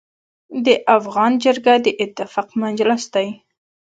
د افغان جرګه د اتفاق مجلس دی.